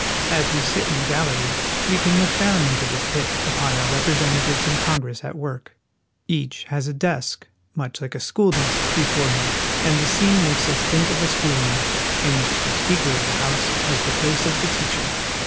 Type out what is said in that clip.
As we sit in the galleries we can look down into this pit upon our representatives in Congress at work. Each has THE HOUSE OF REPRESENTATIVES. 3 1 a desk much like a school desk before him, and the scene makes us think of a schoolroom, in which the Speaker of the House has the place of the teacher.